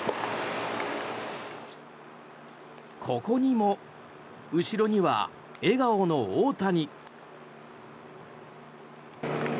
ここにも後ろには笑顔の大谷。